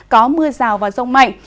có mưa rào và rông mạnh